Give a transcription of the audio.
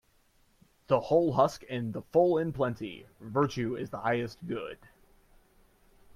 The hull husk and the full in plenty Virtue is the highest good.